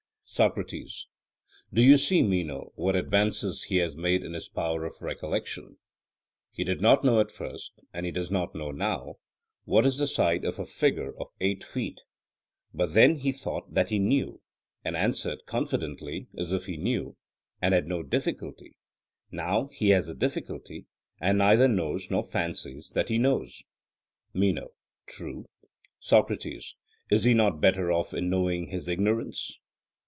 SOCRATES: Do you see, Meno, what advances he has made in his power of recollection? He did not know at first, and he does not know now, what is the side of a figure of eight feet: but then he thought that he knew, and answered confidently as if he knew, and had no difficulty; now he has a difficulty, and neither knows nor fancies that he knows. MENO: True. SOCRATES: Is he not better off in knowing his ignorance?